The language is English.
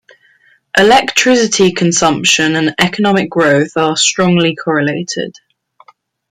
"Electricity consumption and economic growth are strongly correlated".